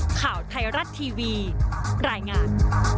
ข่าวไทยรัฐทีวีรายงาน